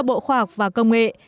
bộ khoa học và công nghệ